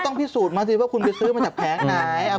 ต้องพิสูจน์มาสิว่าคุณไปซื้อมาจากแผงไหน